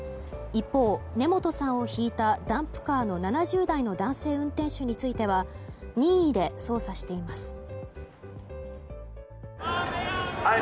一方、根本さんをひいたダンプカーの７０代の男性運転手については任意で捜査しています。